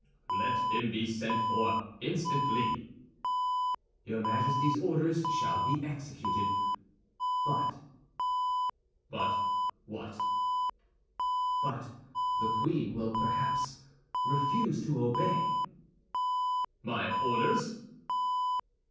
"Let him be sent for instantly." "Your Majesty's orders shall be executed; but—" "But what?" "But the queen will perhaps refuse to obey." "My orders?"